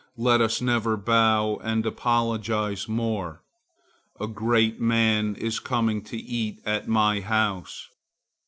Let us never bow and apologize more. A great man is coming to eat at my house.